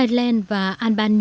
ireland và albania